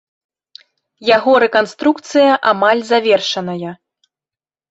Яго рэканструкцыя амаль завершаная.